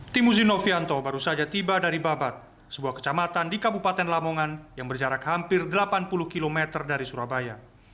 timuzi novianto baru saja tiba dari babat sebuah kecamatan di kabupaten lamongan yang berjarak hampir delapan puluh km dari surabaya